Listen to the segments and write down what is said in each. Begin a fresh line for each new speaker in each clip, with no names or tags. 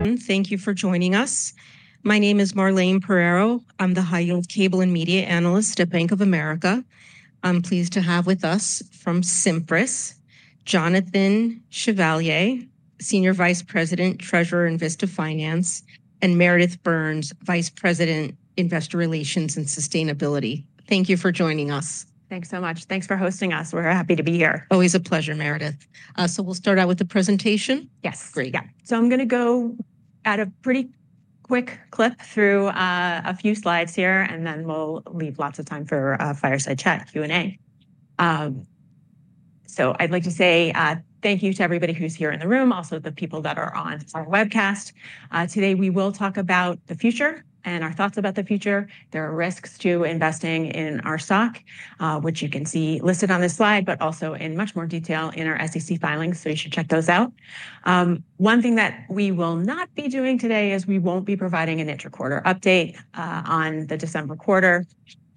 Thank you for joining us. My name is Marlane Pereiro. I'm the High Yield Cable and Media Analyst at Bank of America. I'm pleased to have with us from Cimpress, Jonathan Chevalier, Senior Vice President, Treasurer and Vista Finance, and Meredith Burns, Vice President, Investor Relations and Sustainability. Thank you for joining us.
Thanks so much. Thanks for hosting us. We're happy to be here.
Always a pleasure, Meredith. We will start out with the presentation.
Yes.
Great. Yeah. I am going to go at a pretty quick clip through a few slides here, and then we will leave lots of time for a fireside chat, Q&A. I would like to say thank you to everybody who is here in the room, also the people that are on our webcast. Today we will talk about the future and our thoughts about the future. There are risks to investing in our stock, which you can see listed on this slide, but also in much more detail in our SEC filings. You should check those out. One thing that we will not be doing today is we will not be providing a intra-quarter update on the December quarter.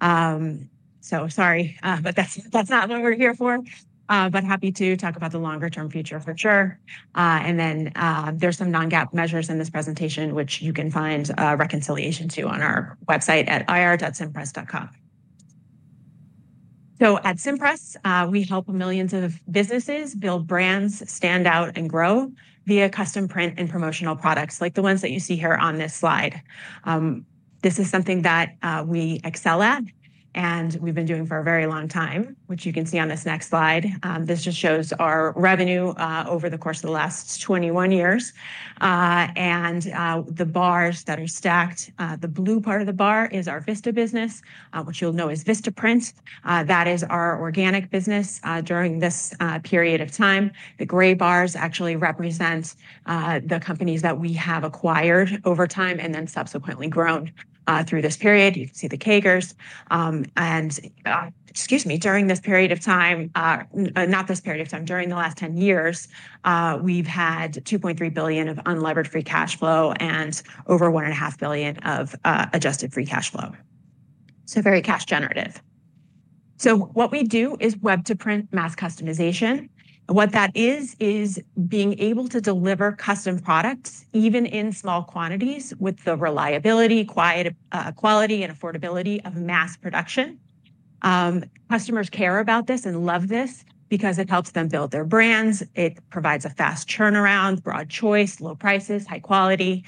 Sorry, but that is not what we are here for. Happy to talk about the longer-term future for sure. There are some non-GAAP measures in this presentation, which you can find a reconciliation to on our website at ir.cimpress.com. At Cimpress, we help millions of businesses build brands, stand out, and grow via custom print and promotional products like the ones that you see here on this slide. This is something that we excel at, and we have been doing for a very long time, which you can see on this next slide. This shows our revenue over the course of the last 21 years. The bars that are stacked, the blue part of the bar is our Vista business, which you will know is VistaPrint. That is our organic business during this period of time. The gray bars actually represent the companies that we have acquired over time and then subsequently grown through this period. You can see the CAGRs. Excuse me, during this period of time, not this period of time, during the last 10 years, we have had $2.3 billion of unlevered free cash flow and over $1.5 billion of adjusted free cash flow. Very cash generative. What we do is web-to-print mass customization. What that is, is being able to deliver custom products even in small quantities with the reliability, quality, and affordability of mass production. Customers care about this and love this because it helps them build their brands. It provides a fast turnaround, broad choice, low prices, high quality,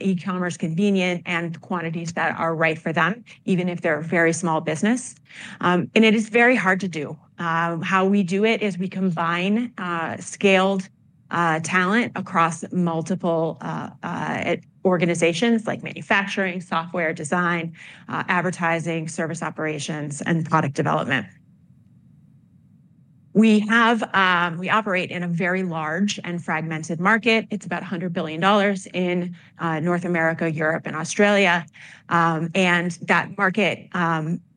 e-commerce convenient, and quantities that are right for them, even if they are a very small business. It is very hard to do. How we do it is we combine scaled talent across multiple organizations like manufacturing, software design, advertising, service operations, and product development. We operate in a very large and fragmented market. It's about $100 billion in North America, Europe, and Australia. That market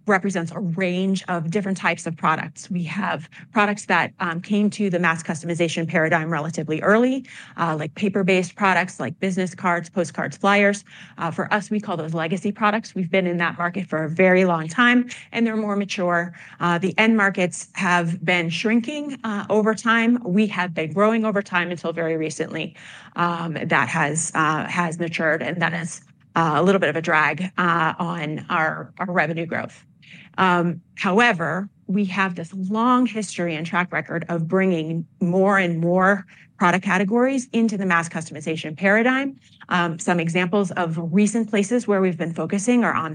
represents a range of different types of products. We have products that came to the mass customization paradigm relatively early, like paper-based products like business cards, postcards, flyers. For us, we call those legacy products. We've been in that market for a very long time, and they're more mature. The end markets have been shrinking over time. We have been growing over time until very recently. That has matured, and that is a little bit of a drag on our revenue growth. However, we have this long history and track record of bringing more and more product categories into the mass customization paradigm. Some examples of recent places where we've been focusing are on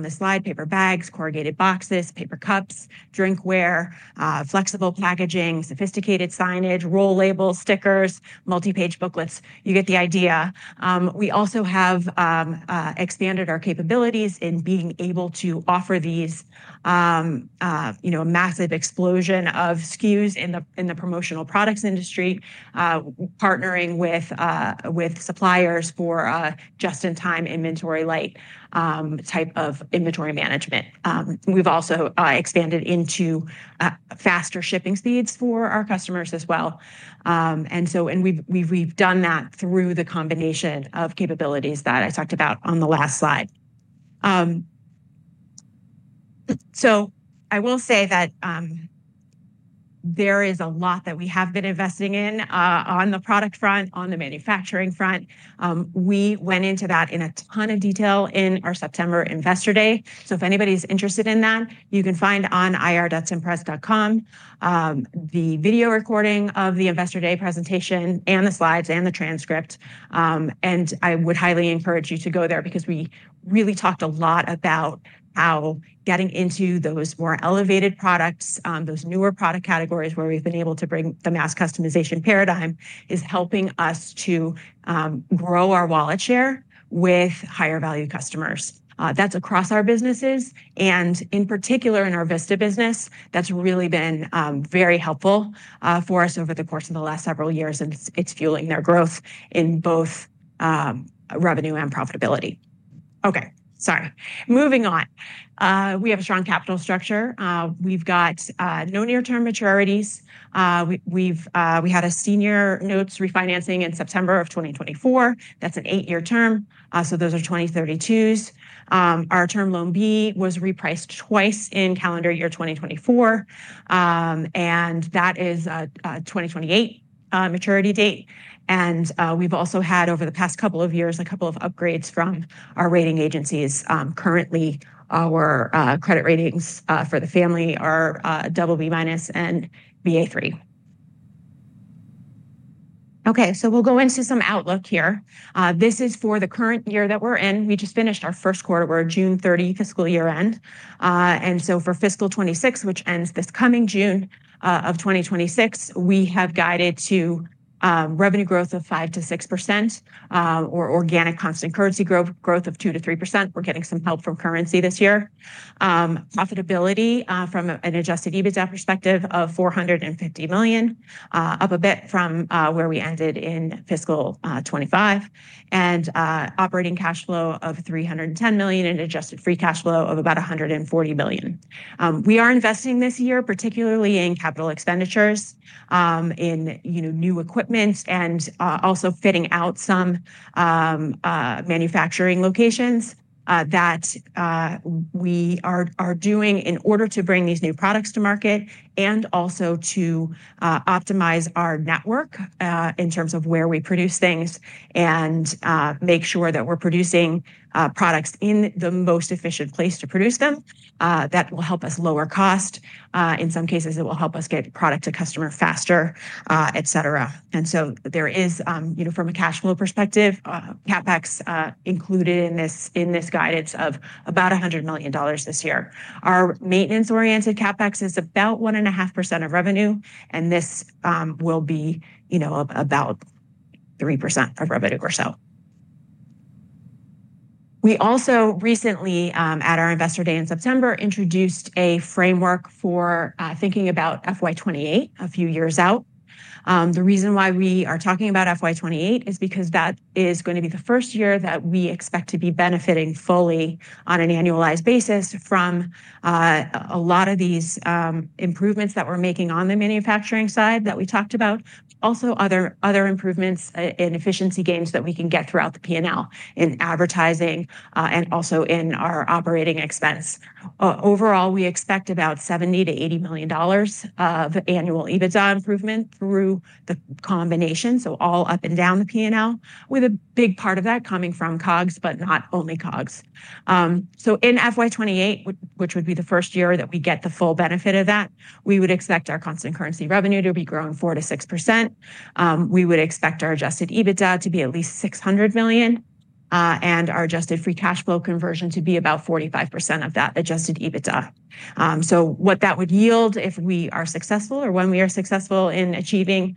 this slide, paper bags, corrugated boxes, paper cups, drinkware, flexible packaging, sophisticated signage, roll labels, stickers, multi-page booklets. You get the idea. We also have expanded our capabilities in being able to offer this massive explosion of SKUs in the promotional products industry, partnering with suppliers for just-in-time inventory light type of inventory management. We have also expanded into faster shipping speeds for our customers as well. We have done that through the combination of capabilities that I talked about on the last slide. I will say that there is a lot that we have been investing in on the product front, on the manufacturing front. We went into that in a ton of detail in our September Investor Day. If anybody is interested in that, you can find on ir.cimpress.com the video recording of the Investor Day presentation and the slides and the transcript. I would highly encourage you to go there because we really talked a lot about how getting into those more elevated products, those newer product categories where we've been able to bring the mass customization paradigm is helping us to grow our wallet share with higher value customers. That's across our businesses. In particular, in our Vista business, that's really been very helpful for us over the course of the last several years, and it's fueling their growth in both revenue and profitability. Okay, sorry. Moving on. We have a strong capital structure. We've got no near-term maturities. We had a senior notes refinancing in September of 2024. That's an eight-year term. Those are 2032s. Our Term Loan B was repriced twice in calendar year 2024. That is a 2028 maturity date. We've also had over the past couple of years a couple of upgrades from our rating agencies. Currently, our credit ratings for the family are BB- and Ba3. Okay, we'll go into some outlook here. This is for the current year that we're in. We just finished our first quarter. We're at June 30 fiscal year end. For fiscal 2026, which ends this coming June of 2026, we have guided to revenue growth of 5%-6% or organic constant currency growth of 2%-3%. We're getting some help from currency this year. Profitability from an adjusted EBITDA perspective of $450 million, up a bit from where we ended in fiscal 2025, and operating cash flow of $310 million and adjusted free cash flow of about $140 million. We are investing this year, particularly in capital expenditures, in new equipment, and also fitting out some manufacturing locations that we are doing in order to bring these new products to market and also to optimize our network in terms of where we produce things and make sure that we're producing products in the most efficient place to produce them. That will help us lower cost. In some cases, it will help us get product to customer faster, et cetera. There is, from a cash flow perspective, CapEx included in this guidance of about $100 million this year. Our maintenance-oriented CapEx is about 1.5% of revenue, and this will be about 3% of revenue or so. We also recently, at our Investor Day in September, introduced a framework for thinking about FY2028 a few years out. The reason why we are talking about FY28 is because that is going to be the first year that we expect to be benefiting fully on an annualized basis from a lot of these improvements that we're making on the manufacturing side that we talked about, also other improvements and efficiency gains that we can get throughout the P&L in advertising and also in our operating expense. Overall, we expect about $70 million-$80 million of annual EBITDA improvement through the combination, so all up and down the P&L, with a big part of that coming from COGS, but not only COGS. In FY2028, which would be the first year that we get the full benefit of that, we would expect our constant currency revenue to be growing 4%-6%. We would expect our adjusted EBITDA to be at least $600 million and our adjusted free cash flow conversion to be about 45% of that adjusted EBITDA. What that would yield if we are successful or when we are successful in achieving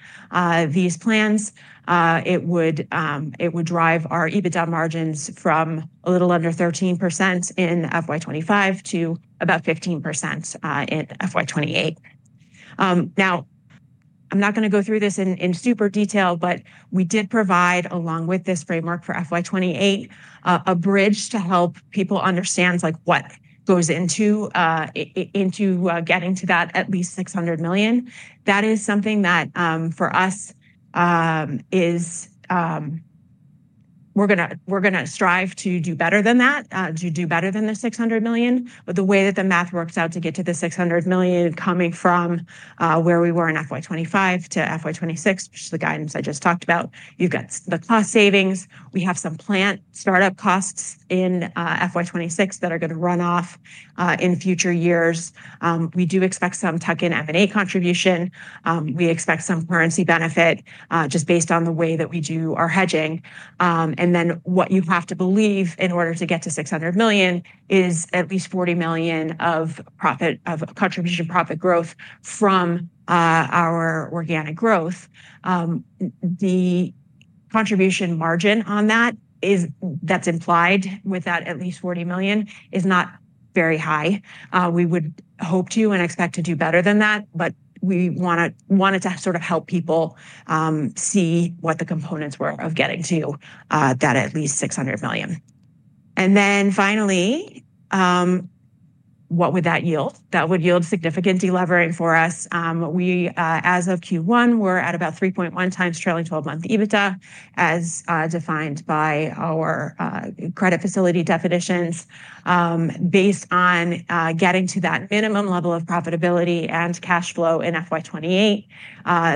these plans, it would drive our EBITDA margins from a little under 13% in FY2025 to about 15% in FY2028. I am not going to go through this in super detail, but we did provide, along with this framework for FY2028, a bridge to help people understand what goes into getting to that at least $600 million. That is something that for us, we are going to strive to do better than that, to do better than the $600 million. The way that the math works out to get to the $600 million coming from where we were in FY2025 to FY2026, which is the guidance I just talked about, you've got the cost savings. We have some plant startup costs in FY2026 that are going to run off in future years. We do expect some tuck-in M&A contribution. We expect some currency benefit just based on the way that we do our hedging. What you have to believe in order to get to $600 million is at least $40 million of contribution profit growth from our organic growth. The contribution margin on that that's implied with that at least $40 million is not very high. We would hope to and expect to do better than that, but we wanted to sort of help people see what the components were of getting to that at least $600 million. Finally, what would that yield? That would yield significant delevering for us. We, as of Q1, were at about 3.1x trailing 12-month EBITDA, as defined by our credit facility definitions. Based on getting to that minimum level of profitability and cash flow in FY2028,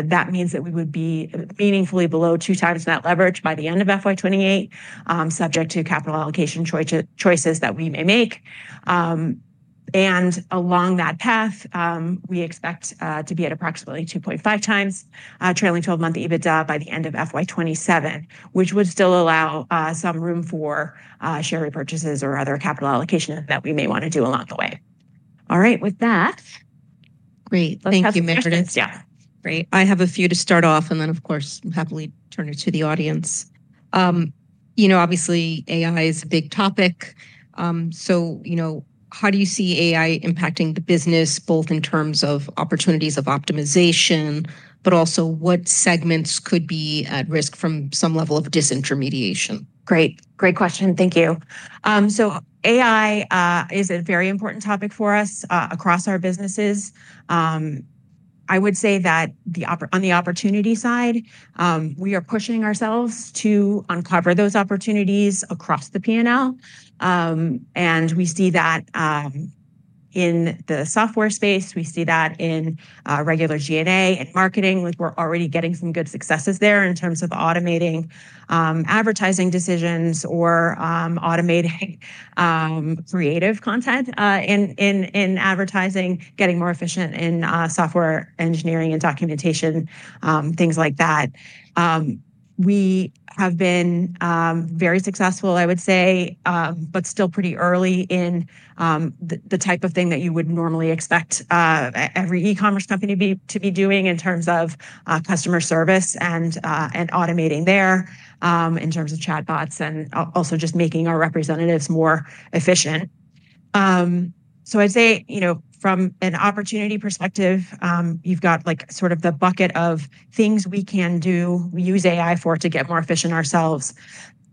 that means that we would be meaningfully below two times net leverage by the end of FY2028, subject to capital allocation choices that we may make. Along that path, we expect to be at approximately 2.5x trailing 12-month EBITDA by the end of FY2027, which would still allow some room for share repurchases or other capital allocation that we may want to do along the way.
All right, with that. Great.
Thank you, Meredith.
Yeah. Great. I have a few to start off, and then, of course, happily turn it to the audience. Obviously, AI is a big topic. How do you see AI impacting the business, both in terms of opportunities of optimization, but also what segments could be at risk from some level of disintermediation?
Great. Great question. Thank you. AI is a very important topic for us across our businesses. I would say that on the opportunity side, we are pushing ourselves to uncover those opportunities across the P&L. We see that in the software space. We see that in regular G&A and marketing, which we're already getting some good successes there in terms of automating advertising decisions or automating creative content in advertising, getting more efficient in software engineering and documentation, things like that. We have been very successful, I would say, but still pretty early in the type of thing that you would normally expect every e-commerce company to be doing in terms of customer service and automating there in terms of chatbots and also just making our representatives more efficient. I would say from an opportunity perspective, you have got sort of the bucket of things we can do, use AI for to get more efficient ourselves.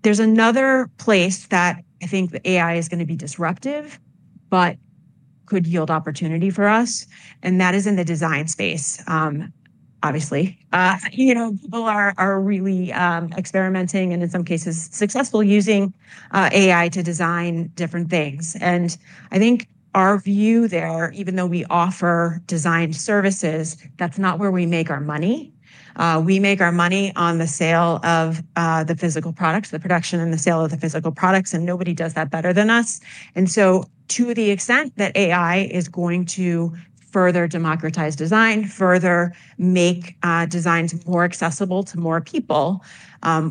There is another place that I think AI is going to be disruptive, but could yield opportunity for us. That is in the design space, obviously. People are really experimenting and, in some cases, successful using AI to design different things. I think our view there, even though we offer design services, that is not where we make our money. We make our money on the sale of the physical products, the production and the sale of the physical products, and nobody does that better than us. To the extent that AI is going to further democratize design, further make designs more accessible to more people,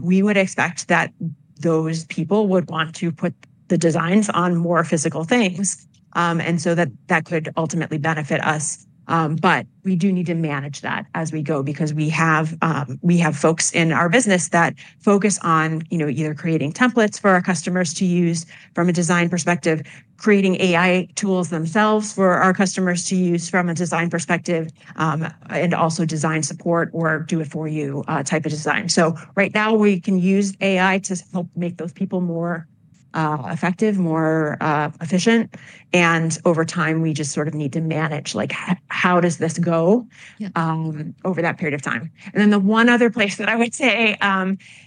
we would expect that those people would want to put the designs on more physical things. That could ultimately benefit us. We do need to manage that as we go because we have folks in our business that focus on either creating templates for our customers to use from a design perspective, creating AI tools themselves for our customers to use from a design perspective, and also design support or do-it-for-you type of design. Right now, we can use AI to help make those people more effective, more efficient. Over time, we just sort of need to manage how does this go over that period of time. The one other place that I would say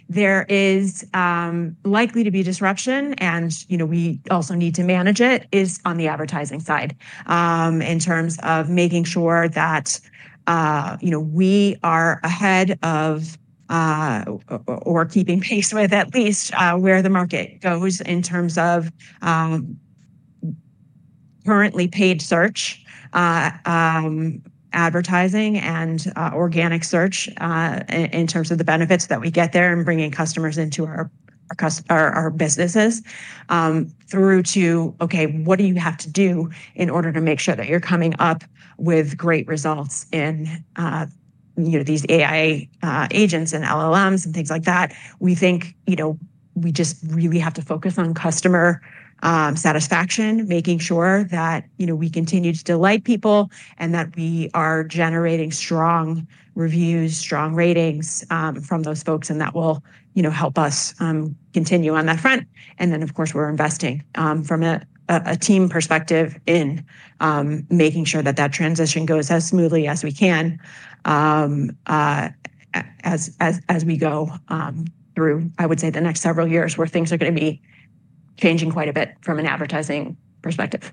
there is likely to be disruption, and we also need to manage it, is on the advertising side in terms of making sure that we are ahead of or keeping pace with at least where the market goes in terms of currently paid search, advertising, and organic search in terms of the benefits that we get there and bringing customers into our businesses through to, okay, what do you have to do in order to make sure that you're coming up with great results in these AI agents and LLMs and things like that? We think we just really have to focus on customer satisfaction, making sure that we continue to delight people and that we are generating strong reviews, strong ratings from those folks, and that will help us continue on that front. Of course, we are investing from a team perspective in making sure that that transition goes as smoothly as we can as we go through, I would say, the next several years where things are going to be changing quite a bit from an advertising perspective.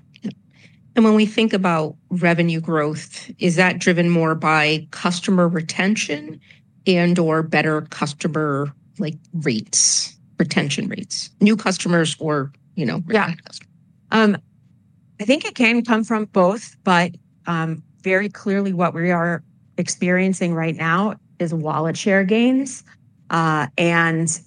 When we think about revenue growth, is that driven more by customer retention and/or better customer rates, retention rates, new customers or retire customers?
Yeah. I think it can come from both, but very clearly what we are experiencing right now is wallet share gains and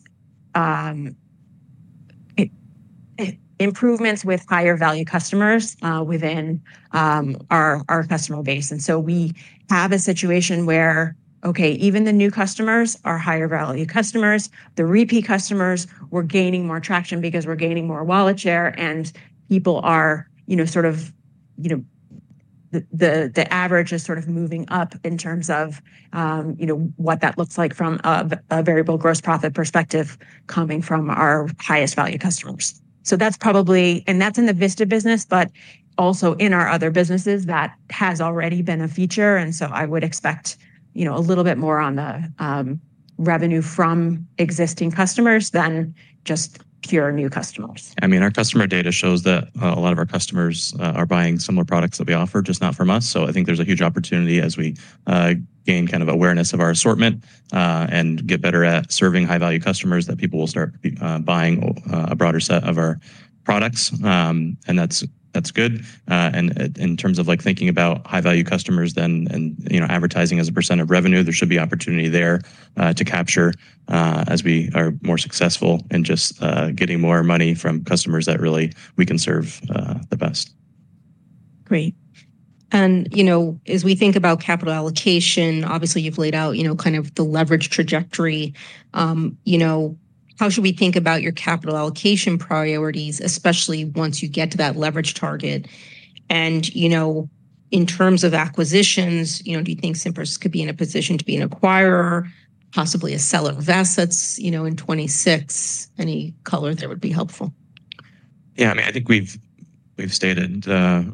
improvements with higher-value customers within our customer base. We have a situation where, okay, even the new customers are higher-value customers. The repeat customers, we're gaining more traction because we're gaining more wallet share, and people are sort of the average is sort of moving up in terms of what that looks like from a variable gross profit perspective coming from our highest-value customers. That's probably, and that's in the Vista business, but also in our other businesses that has already been a feature. I would expect a little bit more on the revenue from existing customers than just pure new customers.
I mean, our customer data shows that a lot of our customers are buying similar products that we offer, just not from us. I think there's a huge opportunity as we gain kind of awareness of our assortment and get better at serving high-value customers that people will start buying a broader set of our products. That's good. In terms of thinking about high-value customers then and advertising as a percent of revenue, there should be opportunity there to capture as we are more successful in just getting more money from customers that really we can serve the best.
Great. As we think about capital allocation, obviously, you've laid out kind of the leverage trajectory. How should we think about your capital allocation priorities, especially once you get to that leverage target? In terms of acquisitions, do you think Cimpress could be in a position to be an acquirer, possibly a seller of assets in 2026? Any color there would be helpful.
Yeah. I mean, I think we've stated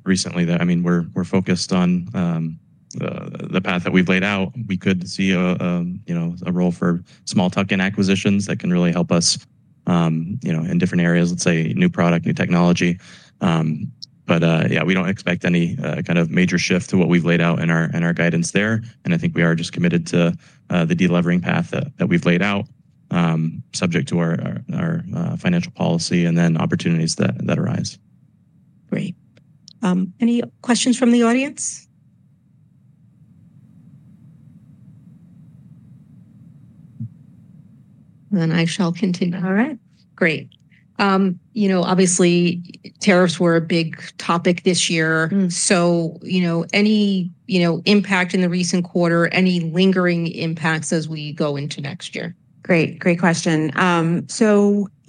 recently that, I mean, we're focused on the path that we've laid out. We could see a role for small tuck-in acquisitions that can really help us in different areas, let's say, new product, new technology. Yeah, we don't expect any kind of major shift to what we've laid out in our guidance there. I think we are just committed to the delivering path that we've laid out, subject to our financial policy and then opportunities that arise.
Great. Any questions from the audience? I shall continue. All right. Great. Obviously, tariffs were a big topic this year. Any impact in the recent quarter, any lingering impacts as we go into next year?
Great. Great question.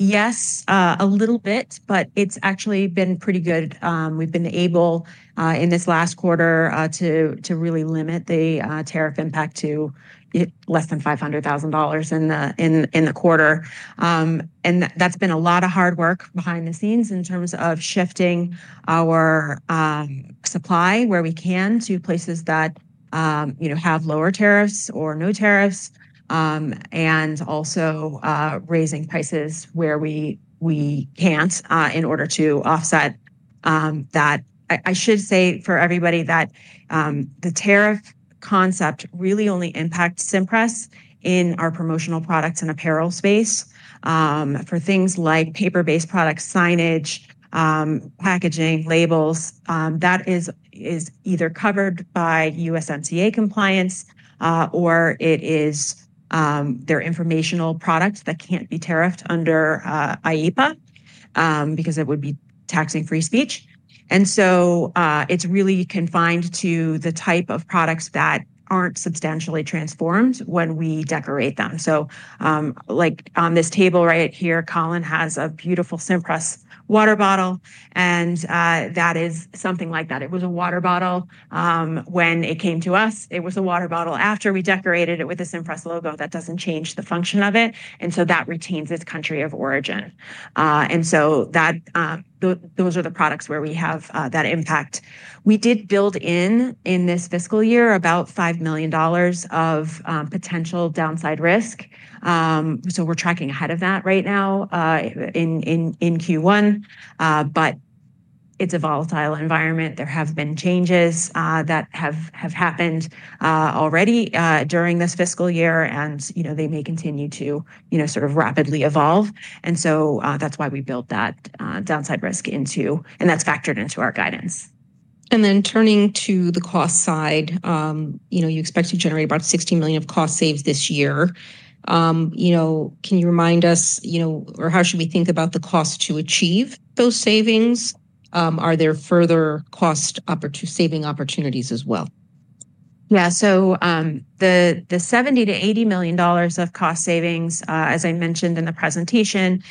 Yes, a little bit, but it's actually been pretty good. We've been able in this last quarter to really limit the tariff impact to less than $500,000 in the quarter. That's been a lot of hard work behind the scenes in terms of shifting our supply where we can to places that have lower tariffs or no tariffs and also raising prices where we can't in order to offset that. I should say for everybody that the tariff concept really only impacts Cimpress in our promotional products and apparel space. For things like paper-based products, signage, packaging, labels, that is either covered by USMCA compliance or it is their informational products that can't be tariffed under IEEPA because it would be taxing free speech. It's really confined to the type of products that aren't substantially transformed when we decorate them. On this table right here, Colin has a beautiful Cimpress water bottle. That is something like that. It was a water bottle when it came to us. It was a water bottle after we decorated it with the Cimpress logo. That does not change the function of it. That retains its country of origin. Those are the products where we have that impact. We did build in this fiscal year about $5 million of potential downside risk. We are tracking ahead of that right now in Q1. It is a volatile environment. There have been changes that have happened already during this fiscal year, and they may continue to sort of rapidly evolve. That is why we built that downside risk in, and that is factored into our guidance.
Turning to the cost side, you expect to generate about $16 million of cost saves this year. Can you remind us, or how should we think about the cost to achieve those savings? Are there further cost saving opportunities as well?
Yeah. The $70 million-$80 million of cost savings, as I mentioned in the presentation,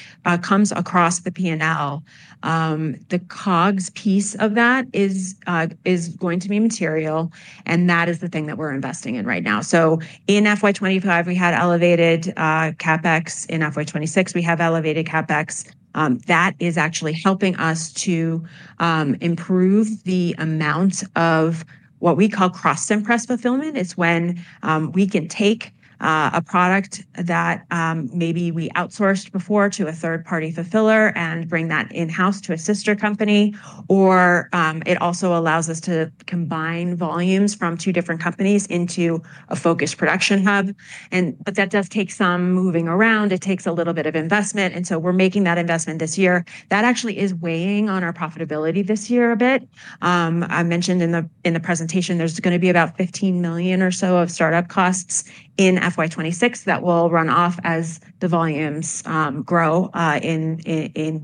comes across the P&L. The COGS piece of that is going to be material, and that is the thing that we're investing in right now. In FY2025, we had elevated CapEx. In FY2026, we have elevated CapEx. That is actually helping us to improve the amount of what we call cross-Cimpress fulfillment. It's when we can take a product that maybe we outsourced before to a third-party fulfiller and bring that in-house to a sister company. It also allows us to combine volumes from two different companies into a focused production hub. That does take some moving around. It takes a little bit of investment. We're making that investment this year. That actually is weighing on our profitability this year a bit. I mentioned in the presentation there's going to be about $15 million or so of startup costs in FY2026 that will run off as the volumes grow in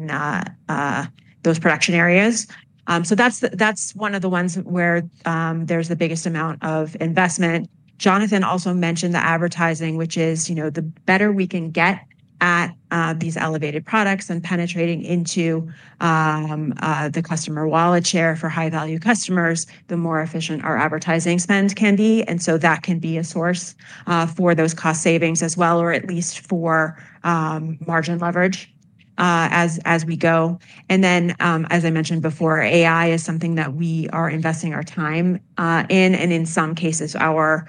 those production areas. That's one of the ones where there's the biggest amount of investment. Jonathan also mentioned the advertising, which is the better we can get at these elevated products and penetrating into the customer wallet share for high-value customers, the more efficient our advertising spend can be. That can be a source for those cost savings as well, or at least for margin leverage as we go. As I mentioned before, AI is something that we are investing our time in, and in some cases, our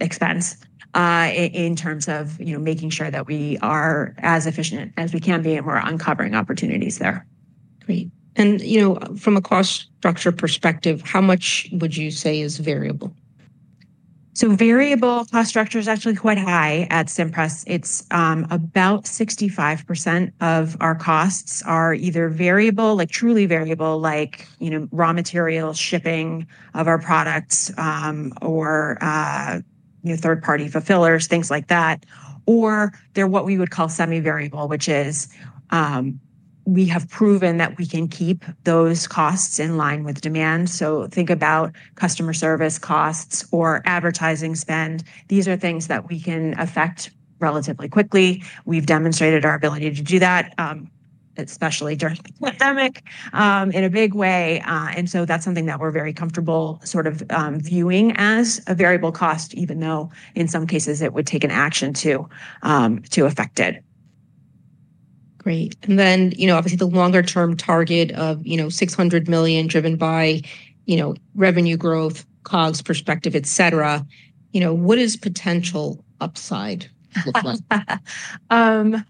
expense in terms of making sure that we are as efficient as we can be and we're uncovering opportunities there.
Great. From a cost structure perspective, how much would you say is variable?
Variable cost structure is actually quite high at Cimpress. It's about 65% of our costs are either variable, like truly variable, like raw materials, shipping of our products, or third-party fulfillers, things like that. Or they're what we would call semi-variable, which is we have proven that we can keep those costs in line with demand. Think about customer service costs or advertising spend. These are things that we can affect relatively quickly. We've demonstrated our ability to do that, especially during the pandemic, in a big way. That is something that we're very comfortable sort of viewing as a variable cost, even though in some cases, it would take an action to affect it.
Great. Obviously, the longer-term target of $600 million driven by revenue growth, COGS perspective, etc., what does potential upside look like?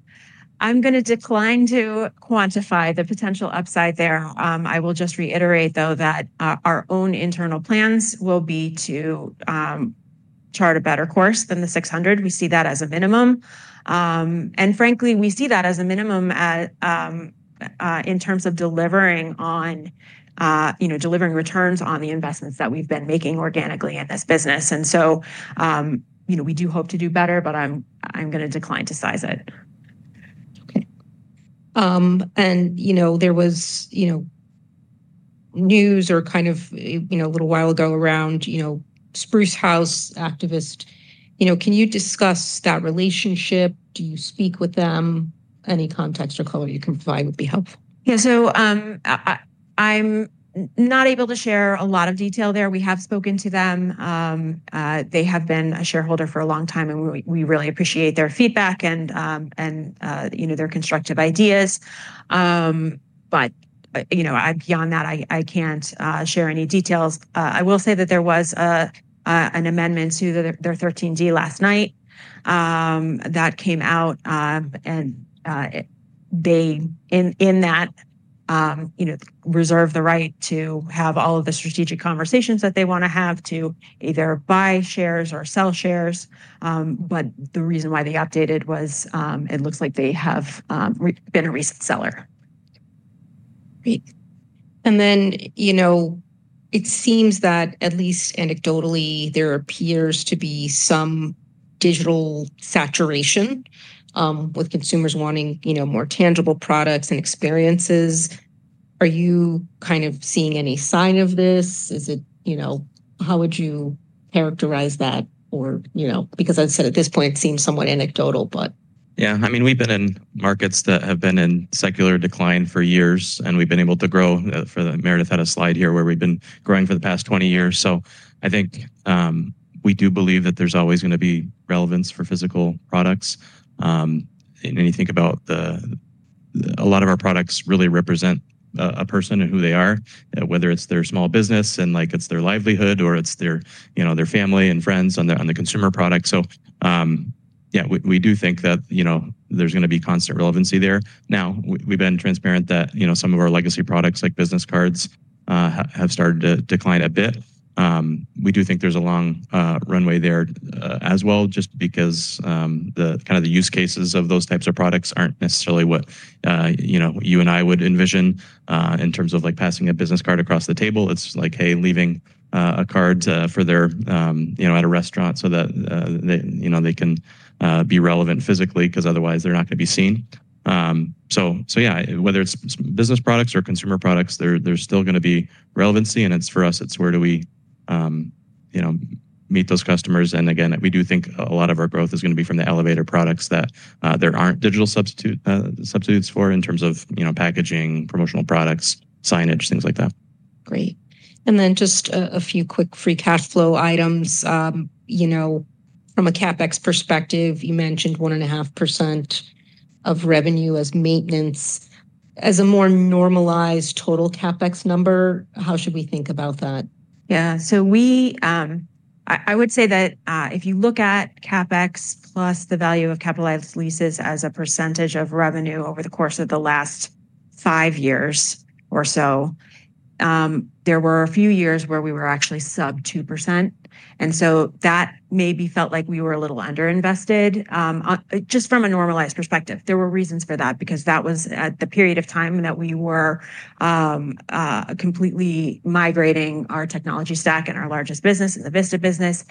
I'm going to decline to quantify the potential upside there. I will just reiterate, though, that our own internal plans will be to chart a better course than the $600 million. We see that as a minimum. Frankly, we see that as a minimum in terms of delivering returns on the investments that we've been making organically in this business. We do hope to do better, but I'm going to decline to size it.
Okay. There was news or kind of a little while ago around Spruce House activist. Can you discuss that relationship? Do you speak with them? Any context or color you can provide would be helpful.
Yeah. I'm not able to share a lot of detail there. We have spoken to them. They have been a shareholder for a long time, and we really appreciate their feedback and their constructive ideas. Beyond that, I can't share any details. I will say that there was an amendment to their 13D last night that came out, and they in that reserve the right to have all of the strategic conversations that they want to have to either buy shares or sell shares. The reason why they updated was it looks like they have been a recent seller.
Great. It seems that at least anecdotally, there appears to be some digital saturation with consumers wanting more tangible products and experiences. Are you kind of seeing any sign of this? How would you characterize that? Because I said at this point, it seems somewhat anecdotal, but.
Yeah. I mean, we've been in markets that have been in secular decline for years, and we've been able to grow. Meredith had a slide here where we've been growing for the past 20 years. I think we do believe that there's always going to be relevance for physical products. When you think about a lot of our products really represent a person and who they are, whether it's their small business and it's their livelihood or it's their family and friends on the consumer product. Yeah, we do think that there's going to be constant relevancy there. Now, we've been transparent that some of our legacy products like business cards have started to decline a bit. We do think there's a long runway there as well just because kind of the use cases of those types of products aren't necessarily what you and I would envision in terms of passing a business card across the table. It's like, hey, leaving a card for their at a restaurant so that they can be relevant physically because otherwise, they're not going to be seen. Yeah, whether it's business products or consumer products, there's still going to be relevancy. For us, it's where do we meet those customers? Again, we do think a lot of our growth is going to be from the elevated products that there aren't digital substitutes for in terms of packaging, promotional products, signage, things like that.
Great. Just a few quick free cash flow items. From a CapEx perspective, you mentioned 1.5% of revenue as maintenance. As a more normalized total CapEx number, how should we think about that?
Yeah. I would say that if you look at CapEx plus the value of capitalized leases as a percentage of revenue over the course of the last five years or so, there were a few years where we were actually sub 2%. That maybe felt like we were a little underinvested just from a normalized perspective. There were reasons for that because that was the period of time that we were completely migrating our technology stack and our largest business is a Vista business.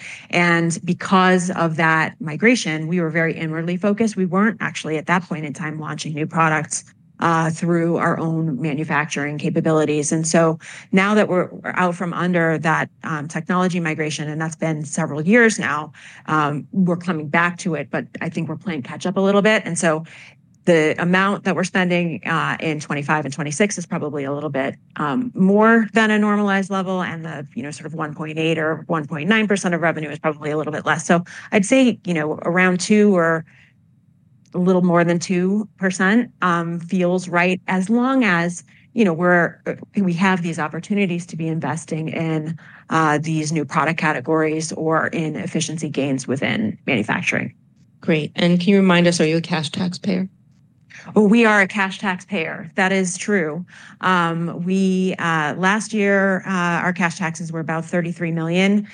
Because of that migration, we were very inwardly focused. We were not actually at that point in time launching new products through our own manufacturing capabilities. Now that we're out from under that technology migration, and that's been several years now, we're coming back to it, but I think we're playing catch-up a little bit. The amount that we're spending in 2025 and 2026 is probably a little bit more than a normalized level. The sort of 1.8% or 1.9% of revenue is probably a little bit less. I'd say around 2% or a little more than 2% feels right as long as we have these opportunities to be investing in these new product categories or in efficiency gains within manufacturing.
Great. Can you remind us, are you a cash taxpayer?
We are a cash taxpayer. That is true. Last year, our cash taxes were about $33 million.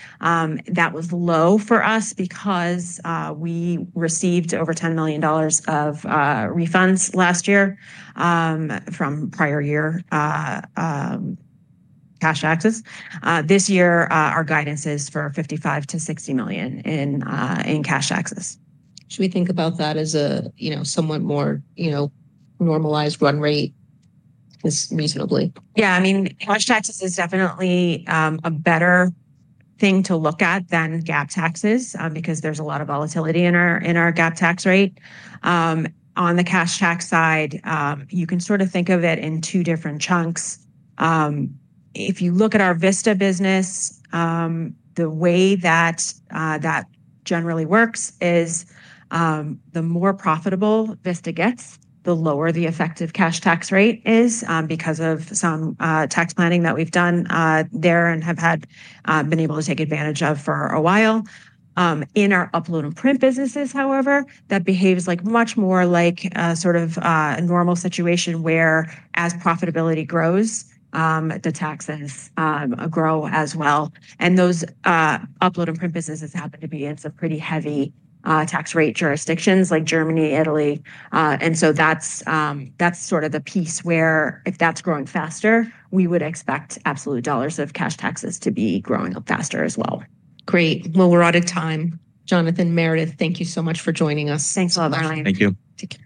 That was low for us because we received over $10 million of refunds last year from prior year cash taxes. This year, our guidance is for $55 million-$60 million in cash taxes.
Should we think about that as a somewhat more normalized run rate is reasonably?
Yeah. I mean, cash taxes is definitely a better thing to look at than GAAP taxes because there's a lot of volatility in our GAAP tax rate. On the cash tax side, you can sort of think of it in two different chunks. If you look at our Vista business, the way that that generally works is the more profitable Vista gets, the lower the effective cash tax rate is because of some tax planning that we've done there and have been able to take advantage of for a while. In our Upload and Print businesses, however, that behaves much more like sort of a normal situation where as profitability grows, the taxes grow as well. Those Upload and Print businesses happen to be in some pretty heavy tax rate jurisdictions like Germany, Italy. That is sort of the piece where if that is growing faster, we would expect absolute dollars of cash taxes to be growing up faster as well.
Great. We are out of time. Jonathan, Meredith, thank you so much for joining us.
Thanks a lot, Marlane.
Thank you.